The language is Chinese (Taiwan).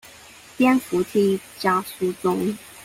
電扶梯加速中